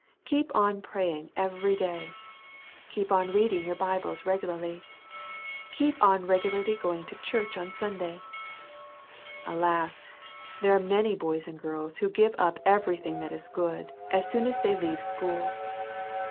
Keep on praying every day; keep on reading your Bibles regularly ; keep on regu larly going to church on Sunday. Alas ! there are many boys and girls who give up every thing that is good, as soon as they leave school.